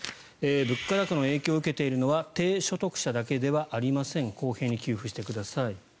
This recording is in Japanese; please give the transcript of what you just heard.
物価高の影響を受けているのは低所得者だけではありません公平に給付してください。